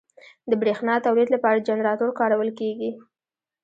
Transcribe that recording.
د برېښنا تولید لپاره جنراتور کارول کېږي.